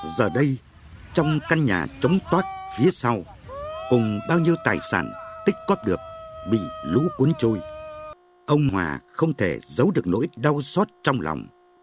giờ đây trong căn nhà chống toát phía sau cùng bao nhiêu tài sản tích cóp được bị lũ cuốn trôi ông hòa không thể giấu được nỗi đau xót trong lòng